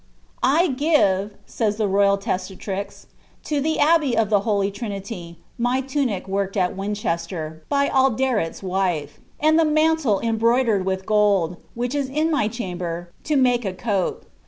•• I pve," sayf the royal testatrix, " to the Abbey of the Holy Trinity my tunic worked at Winchester, by Aideret's wife; and the inantle em broidered with gold, which is in my chamber, to mitke a cope.